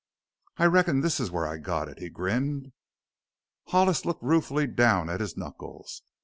"I reckon this is where I got it!" he grinned. Hollis looked ruefully down at his knuckles.